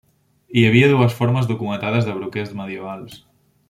Hi havia dues formes documentades de broquers medievals.